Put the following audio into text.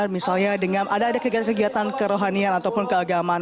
misalnya dengan ada kegiatan kegiatan kerohanian ataupun keagamaan